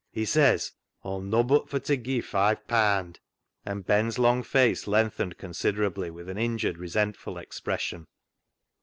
*' He says Aw'm nobbut fur t' gie five paand !" And Ben's long face lengthened considerably with an injured, resentful expression.